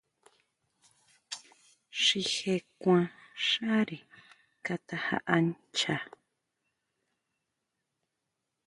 Xi je kuan xáre Kata jaʼa ncha.